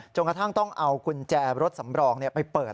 กระทั่งต้องเอากุญแจรถสำรองไปเปิด